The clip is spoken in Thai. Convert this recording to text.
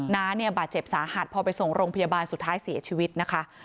น้าเนี่ยบาดเจ็บสาหัสพอไปส่งโรงพยาบาลสุดท้ายเสียชีวิตนะคะ